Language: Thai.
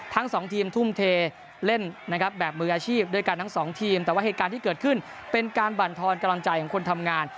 ทั้งสองทีมทุ่มเทเล่นนะครับแบบมืออาชีพด้วยกันทั้งสองทีมแต่ว่าเหตุการณ์ที่เกิดขึ้นเป็นการบรรทอนกำลังใจของคนทำงาน